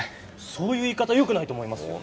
そういう言い方よくないと思いますよ。